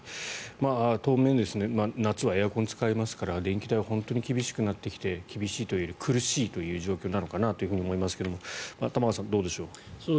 当面、夏はエアコンを使いますから電気代は本当に厳しくなってきて厳しいというより苦しいという状況なのかなと思いますが玉川さんどうでしょう。